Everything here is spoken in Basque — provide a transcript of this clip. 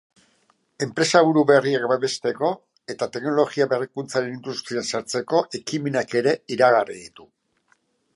Enpresaburu berriak babesteko eta teknologia berrikuntzaren industrian sartzeko ekimenak ere iragarri ditu.